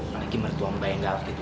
malah lagi meritua mbak yang ga alf gitu